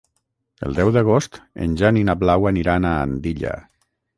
El deu d'agost en Jan i na Blau aniran a Andilla.